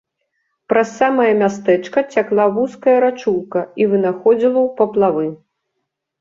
Праз самае мястэчка цякла вузкая рачулка і вынаходзіла ў паплавы.